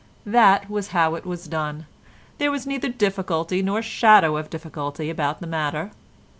That was how it was done; there was neither difficulty nor shadow of difficulty about the matter.